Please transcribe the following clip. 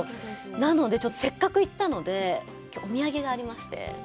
なので、せっかく行ったのでお土産がありまして。